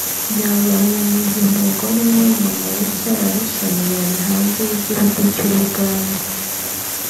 byabaye mu gihe umugore we Monolisa Larson yari hanze y’igihugu cy’u Bugande